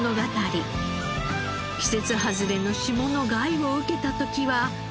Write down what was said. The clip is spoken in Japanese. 季節外れの霜の害を受けた時は。